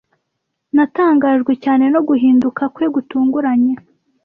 Natangajwe cyane no guhinduka kwe gutunguranye.